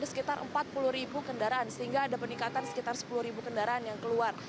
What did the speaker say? sekitar empat puluh ribu kendaraan sehingga ada peningkatan sekitar sepuluh kendaraan yang keluar